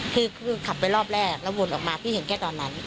คือขับไปรอบแรกแล้ววนออกมาพี่เห็นแค่ตอนนั้น